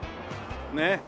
ねえ。